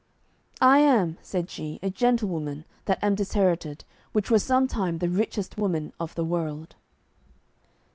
"I am," said she, "a gentlewoman that am disherited, which was sometime the richest woman of the world."